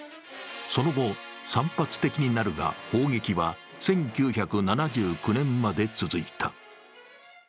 その後、散発的になるが砲撃は１９７９年まで続いた。